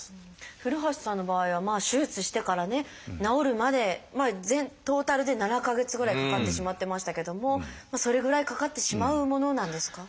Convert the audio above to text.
古橋さんの場合は手術してからね治るまでトータルで７か月ぐらいかかってしまってましたけどもそれぐらいかかってしまうものなんですか？